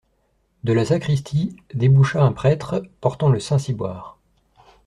De la sacristie déboucha un prêtre portant le saint-ciboire.